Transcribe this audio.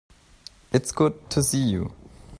It's good to see you.